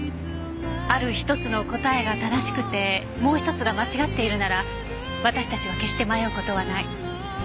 ある一つの答えが正しくてもう一つが間違っているなら私たちは決して迷う事はない。